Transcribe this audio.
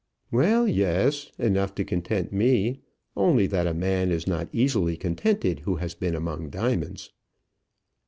"Well, yes; enough to content me, only that a man is not easily contented who has been among diamonds."